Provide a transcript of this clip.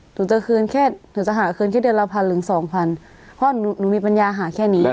หนูจะหาคืนแค่เดือนละพันหรือสองพันเพราะหนูมีปัญญาหาแค่นี้